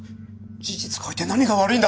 事実書いて何が悪いんだ！